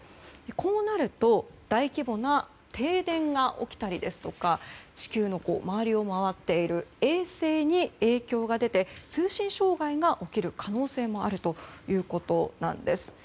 こうなると、大規模な停電が起きたりですとか地球の周りを回っている衛星に影響が出て通信障害が起きる可能性もあるということなんです。